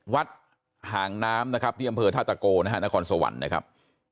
หางน้ำนะครับที่อำเภอท่าตะโกนะฮะนครสวรรค์นะครับ